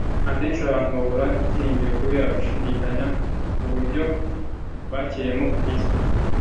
Akenshi abantu babura ibyiringiro kubera gushyidikanya ku buryo bakiriyemo Kristo.